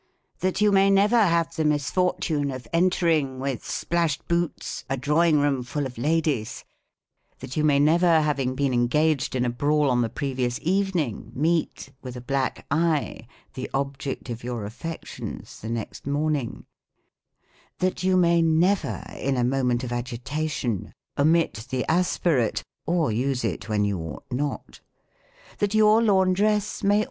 That you may never have the misfortune of entering, with splashed boots, a drawing room full of ladies ; that you may never, having been engaged in a brawl on the previous evening, meet, with a black eye, the object of your affections the next morning ; that you may never, in a moment of agitation, omit the aspirate, ',r use it when you ought not j that your laundress may 144 ADDRESS TO YOUNG STUDENTS.